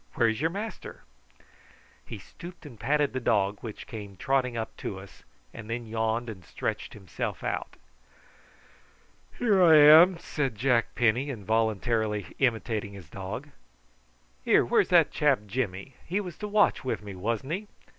Where's your master?" He stooped and patted the dog, which came trotting up to us, and then yawned and stretched himself out. "Here I am," said Jack Penny, involuntarily imitating his dog. "Here, where's that chap Jimmy? He was to watch with me, wasn't he?